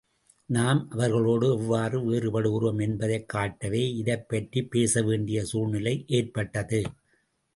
நாம் அவர்களோடு எவ்வாறு, வேறுபடுகிறோம் என்பதைக் காட்டவே இதைப் பற்றிப் பேசவேண்டிய சூழ்நிலை ஏற்பட்டது.